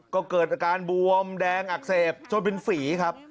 ก็เกิดอาการบวมแดงอักเสบจนเป็นฝีครับ